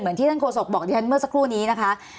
เหมือนที่ท่านโคศกบอกเรียนเมื่อสักครู่นี้นะคะ